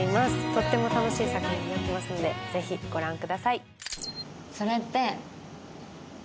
とっても楽しい作品になっていますのでぜひご覧ください。